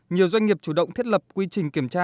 nhiều doanh nghiệp chủ động thiết lập quy trình kiểm tra